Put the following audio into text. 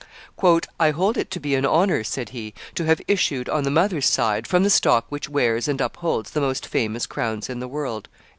"I hold it to be an honor," said he, "to have issued, on the mother's side, from the stock which wears and upholds the most famous crown in the world."